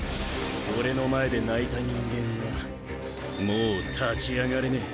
俺の前で泣いた人間はもう立ち上がれねえ。